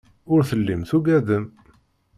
Ur tellim tugadem.